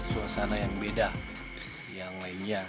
suasana yang beda yang lainnya